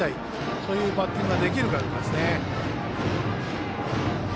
そういうバッティングができるかですね。